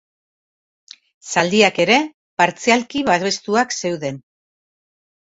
Zaldiak ere, partzialki babestuak zeuden.